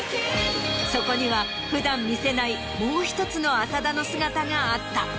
そこには普段見せないもう１つの浅田の姿があった。